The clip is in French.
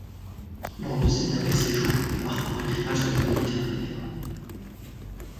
Lors de ces derniers séjours, il parcourt les rivages de la Méditerranée.